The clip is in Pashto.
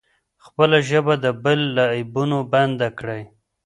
خپله ژبه د بل له عیبونو بنده کړئ.